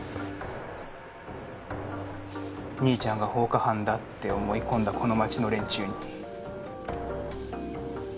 兄ちゃんが放火犯だって思い込んだこの町の連中に。